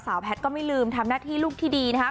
แพทย์ก็ไม่ลืมทำหน้าที่ลูกที่ดีนะครับ